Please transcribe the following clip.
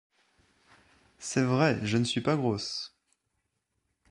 C’est vrai, je ne suis pas grosse.